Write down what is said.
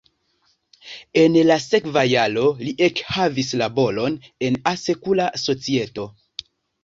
En la sekva jaro li ekhavis laboron en asekura societo.